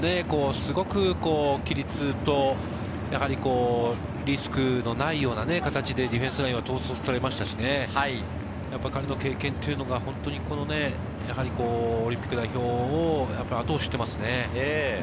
すごく規律とリスクのないような形でディフェンスラインは統率されましたし、彼の経験というのは、やはりオリンピック代表を後押ししていますね。